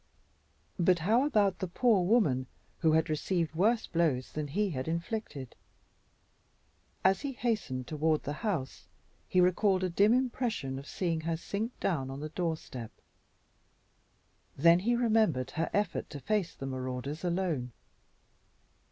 But how about the poor woman who had received worse blows than he had inflicted? As he hastened toward the house he recalled a dim impression of seeing her sink down on the doorstep. Then he remembered her effort to face the marauders alone.